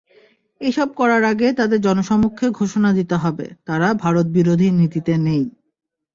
এসব করার আগে তাদের জনসমক্ষে ঘোষণা দিতে হবে, তারা ভারতবিরোধী নীতিতে নেই।